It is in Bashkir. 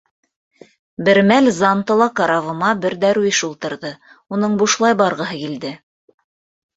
Бер мәл Зантала карабыма бер дәрүиш ултырҙы, уның бушлай барғыһы килде.